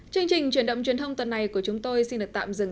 chương trình truyền động truyền thông tuần này của chúng tôi xin được tạm dừng